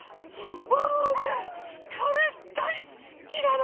ワンワンねカレーだいすきなの！